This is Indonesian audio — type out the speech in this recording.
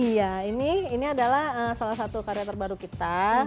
iya ini adalah salah satu karya terbaru kita